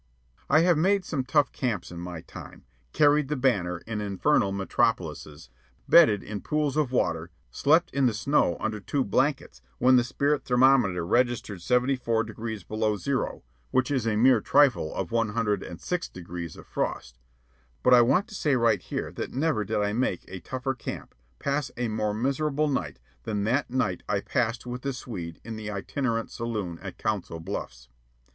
I have made some tough camps in my time, "carried the banner" in infernal metropolises, bedded in pools of water, slept in the snow under two blankets when the spirit thermometer registered seventy four degrees below zero (which is a mere trifle of one hundred and six degrees of frost); but I want to say right here that never did I make a tougher camp, pass a more miserable night, than that night I passed with the Swede in the itinerant saloon at Council Bluffs.